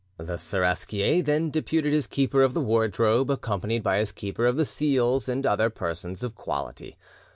The Seraskier then deputed his keeper of the wardrobe, accompanied by his keeper of the seals and other persons of quality.